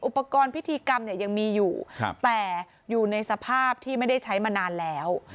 อุปกรณ์พิธีกรรมเนี่ยยังมีอยู่แต่อยู่ในสภาพที่ไม่ได้ใช้มานานแล้ว